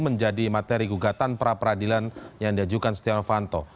menjadi materi gugatan pra peradilan yang diajukan stiano fanto